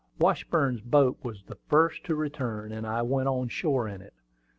Washburn's boat was the first to return, and I went on shore in it.